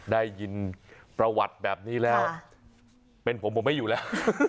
ได้ยินประวัติแบบนี้แล้วเป็นผมผมไม่อยู่แล้ว